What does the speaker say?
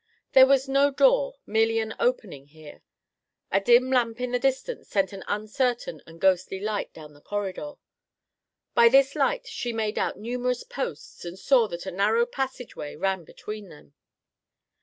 There was no door; merely an opening here. A dim lamp in the distance sent an uncertain and ghostly light down the corridor. By this light she made out numerous posts and saw that a narrow passage way ran between them.